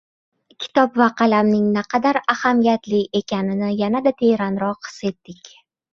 kitob va qalamning naqadar ahamiyatli ekanini yanada teranroq his etdik.